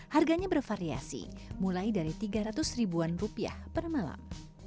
harganya bervariasi mulai dari tiga ratus ribuan rupiah per malam